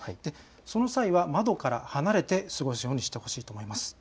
その際は窓から離れて過ごすようにしてほしいと思います。